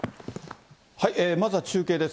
まずは中継です。